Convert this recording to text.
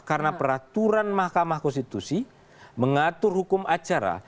karena peraturan mahkamah konstitusi mengatur hukum acara